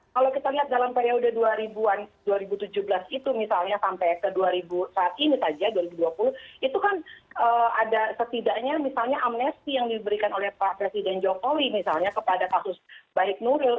kalau kita lihat dalam periode dua ribu an dua ribu tujuh belas itu misalnya sampai ke dua ribu saat ini saja dua ribu dua puluh itu kan ada setidaknya misalnya amnesti yang diberikan oleh pak presiden jokowi misalnya kepada kasus baik nuril